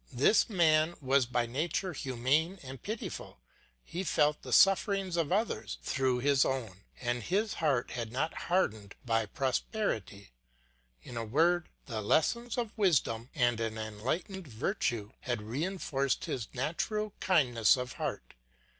This man was by nature humane and pitiful; he felt the sufferings of others through his own, and his heart had not been hardened by prosperity; in a word, the lessons of wisdom and an enlightened virtue had reinforced his natural kindness of heart.